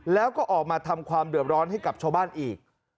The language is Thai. แล้วก็ออกมาทำความเดือดร้อนให้กับชาวบ้านอีก